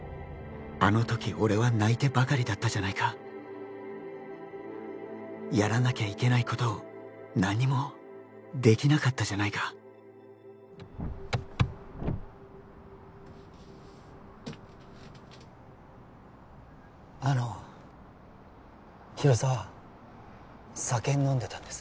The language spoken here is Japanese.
あの時俺は泣いてばかりだったじゃないかやらなきゃいけないことを何もできなかったじゃないかあの広沢酒飲んでたんです